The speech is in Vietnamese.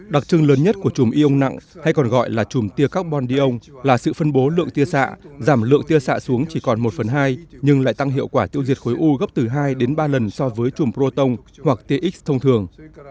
đặc trưng lớn nhất của chùm ion nặng hay còn gọi là chùm tia carbon dion là sự phân bố lượng tia xạ giảm lượng tia xạ xuống chỉ còn một phần hai nhưng lại tăng hiệu quả tiêu diệt khối u gấp từ hai đến ba lần so với chùm proton hoặc tia x thông thường